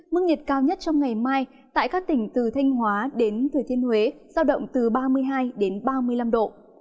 mức nhiệt cao nhất trong ngày mai tại các tỉnh từ thanh hóa đến thừa thiên huế giao động từ ba mươi hai đến ba mươi năm độ